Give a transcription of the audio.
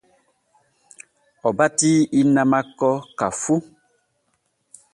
O batii inna makko ka fu.